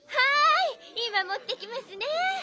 いまもってきますね。